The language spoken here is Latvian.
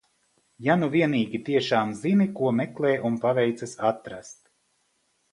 Ja nu vienīgi tiešām zini ko meklē un paveicas atrast.